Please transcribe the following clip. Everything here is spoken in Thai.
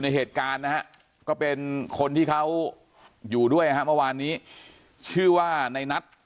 ในเหตุการณ์ก็เป็นคนที่เขาอยู่ด้วยมาวานนี้ชื่อว่าในนัท